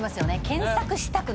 検索したくなる。